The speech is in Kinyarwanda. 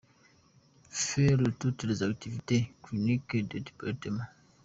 Faire toutes les activités cliniques du département ;.